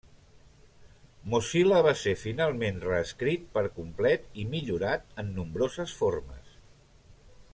Mozilla va ser finalment reescrit per complet i millorat en nombroses formes.